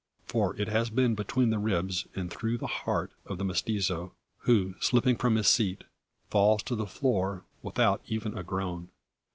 For it has been between the ribs, and through the heart of the mestizo; who, slipping from his seat, falls to the floor, without even a groan!